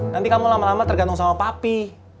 nanti kamu lama lama tergantung sama papi